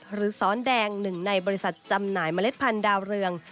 ซ้อนแดงหนึ่งในบริษัทจำหน่ายเมล็ดพันธุดาวเรือง